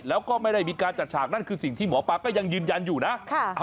แล้วก็ไม่ได้มีการจัดฉากนั่นคือสิ่งที่หมอปลาก็ยังยืนยันอยู่นะ